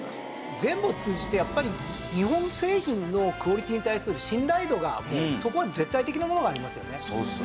全部を通じてやっぱり日本製品のクオリティーに対する信頼度がそこは絶対的なものがありますよね。